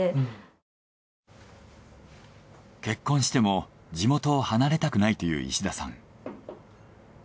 結婚しても地元を離れたくないという石田さん。